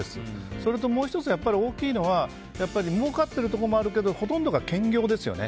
それともう１つ、大きいのは儲かっているところもあるけどほとんどが兼業ですよね。